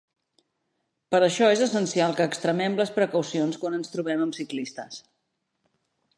Per això és essencial que extremem les precaucions quan ens trobem amb ciclistes.